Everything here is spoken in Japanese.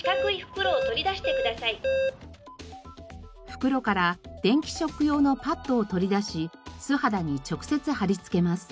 袋から電気ショック用のパッドを取り出し素肌に直接貼り付けます。